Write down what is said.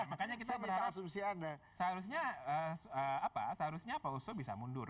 makanya kita berharap seharusnya pak oso bisa mundur